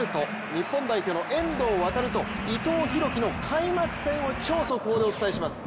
日本代表の遠藤航と伊藤洋輝の開幕戦を超速報でお伝えします。